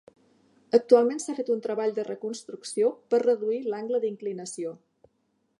Actualment s'ha fet un treball de reconstrucció per reduir l'angle d'inclinació.